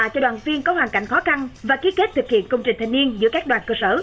cho đoàn viên có hoàn cảnh khó khăn và ký kết thực hiện công trình thanh niên giữa các đoàn cơ sở